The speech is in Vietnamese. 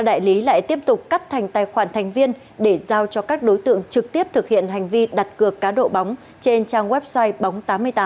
đại lý lại tiếp tục cắt thành tài khoản thành viên để giao cho các đối tượng trực tiếp thực hiện hành vi đặt cược cá độ bóng trên trang website bóng tám mươi tám